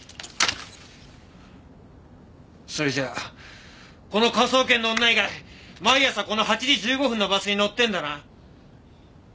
それじゃあこの科捜研の女以外毎朝この８時１５分のバスに乗ってんだな？